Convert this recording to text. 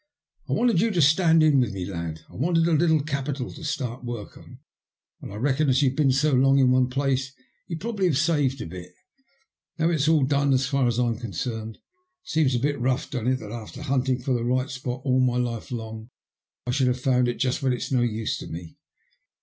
" I wanted you to stand in with me, lad. I wanted a little capital to start work on, and I reckoned as you'd been so long in one place, you'd probably have saved a bit. Now it's all done for as far as I'm con cerned. It seems a bit rough, don't it, that after hunting for the right spot all my life long, I should have found it just when it's no use to me